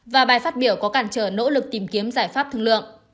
và bài phát biểu có cản trở nỗ lực tìm kiếm giải pháp thương lượng